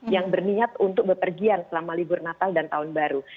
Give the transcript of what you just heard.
yang berniat untuk bepergian selama libur natal dan tahun baru